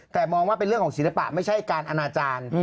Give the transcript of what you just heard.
แต่มองว่าเป็นเรื่องของศิลปะไม่ใช่การอนาจารย์